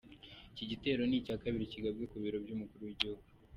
Iki gitero ni icya kabiri kigabwe ku biro by’umukuru w’igihugu.